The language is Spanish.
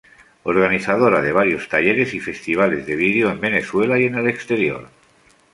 Organizadora de varios talleres y festivales de video en Venezuela y en el exterior.